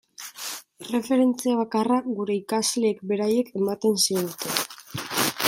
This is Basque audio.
Erreferentzia bakarra gure ikasleek beraiek ematen ziguten.